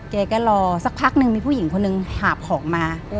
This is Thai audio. แกก็รอสักพักนึงมีผู้หญิงคนหนึ่งหาบของมา